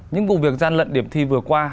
những vụ việc gian lận điểm thi vừa qua